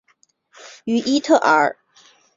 于伊特尔。